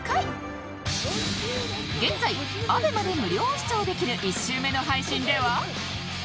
現在 ＡＢＥＭＡ で無料視聴できる１週目の配信では